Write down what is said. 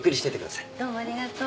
どうもありがとう。